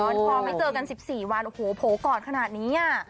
มันพอไม่เจอกัน๑๔วันโอ้โหโผล่กอดขนาดนี้อ่ะ